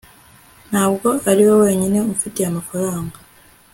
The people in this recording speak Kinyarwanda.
ntabwo ari wowe wenyine umfitiye amafaranga